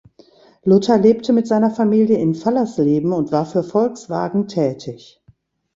Luther lebte mit seiner Familie in Fallersleben und war für Volkswagen tätig.